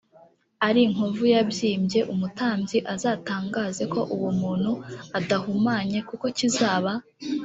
ari inkovu yabyimbye umutambyi azatangaze ko uwo muntu adahumanye kuko kizaba